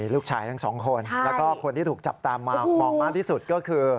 ลูกชายกัน๒คนแล้วคนที่ถูกจับตามมากมากที่สุดก็คือ